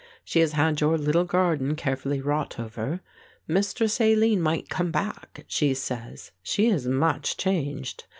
She has had your little garden carefully wrought over. 'Mistress Aline might come back,' she says. She is much changed.